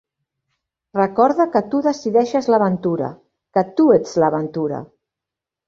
Recorda que tu decideixes l'aventura, que tu ets l'aventura.